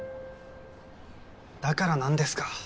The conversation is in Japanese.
だから何ですか？